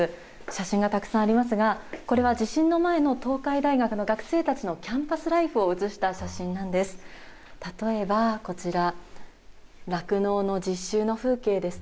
写真がたくさんありますが、これは地震の前の東海大学の学生たちのキャンパスライフを写した写真なんです。